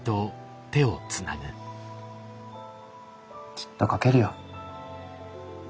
きっと描けるよ。